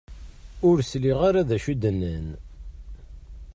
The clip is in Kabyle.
Ur sliɣ ara d acu i d-nnan.